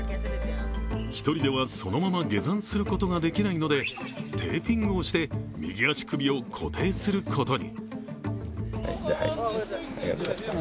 １人ではそのまま下山することができないのでテーピングをして右足首を固定することに。